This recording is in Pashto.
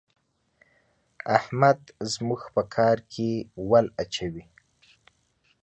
احمد زموږ په کار کې ول اچوي.